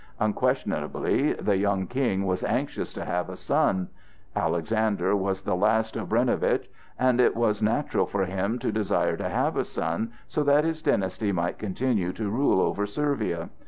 Unquestionably the young King was anxious to have a son. Alexander was the last Obrenovitch, and it was natural for him to desire to have a son so that his dynasty might continue to rule over Servia.